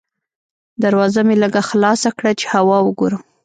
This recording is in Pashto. دروازه مې لږه خلاصه کړه چې هوا وګورم.